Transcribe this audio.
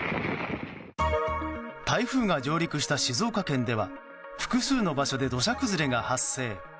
台風が上陸した静岡県では複数の場所で土砂崩れが発生。